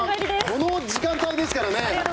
この時間帯ですからね。